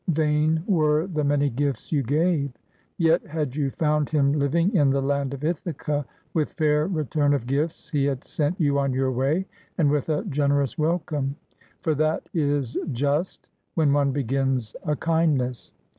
Vain were the many gifts you gave. Yet had you found him living in the land of Ithaca, with fair return of gifts he had sent you on your way, and with a generous welcome ; for that is just, when one begins a kindness.